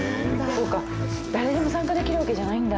そうか誰でも参加できるわけじゃないんだ。